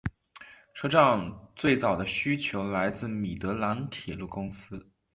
车站最早的需求来自米德兰铁路公司。